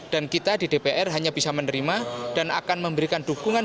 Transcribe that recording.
dan kita di dpr hanya bisa menerima dan akan memberikan dukungan